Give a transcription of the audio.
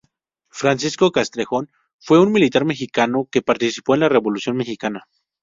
Francisco Castrejón fue un militar mexicano que participó en la Revolución mexicana.